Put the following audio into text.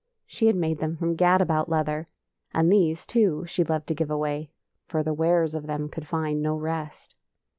She had made them from gad about leather, and these, too, she loved to give away, for the wearers of them could find no rest.